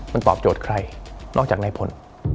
มันตอบโจทย์ใครนอกจากนายพล